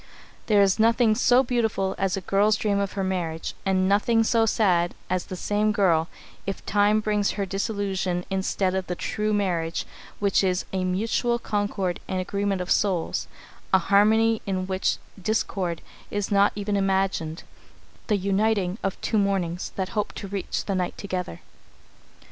There is nothing so beautiful as a girl's dream of her marriage, and nothing so sad as the same girl, if Time brings her disillusion instead of the true marriage which is "a mutual concord and agreement of souls, a harmony in which discord is not even imagined; the uniting of two mornings that hope to reach the night together."